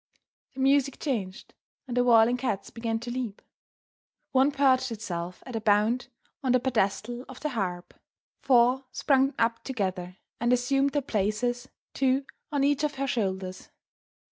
The music changed, and the whirling cats began to leap. One perched itself at a bound on the pedestal of the harp. Four sprung up together, and assumed their places, two on each of her shoulders.